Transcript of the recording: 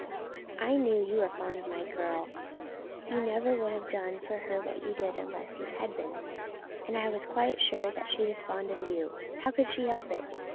I knew you were fond of my girl; you never would have done for her what you did unless you had been, and I was quite sure that she was fond of you; how could she help it?